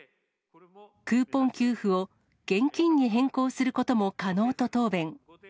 クーポン給付を現金に変更することも可能と答弁。